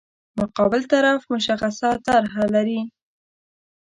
مقابل طرف مشخصه طرح لري.